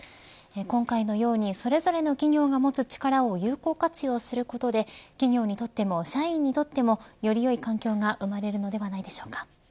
今回のように、それぞれの企業が持つ力を有効活用することで企業にとっても、社員にとってもより良い環境が生まれるのではないでしょうか。